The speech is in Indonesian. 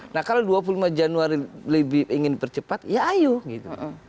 nah kalau dua puluh lima januari lebih ingin percepat ya ayo gitu